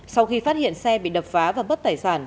sau khi phát hiện xe bị đập phá và bất tài sản